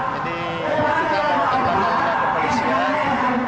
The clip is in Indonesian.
jadi kita memakai bantuan untuk kepolisian